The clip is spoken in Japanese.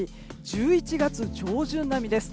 １１月上旬並みです。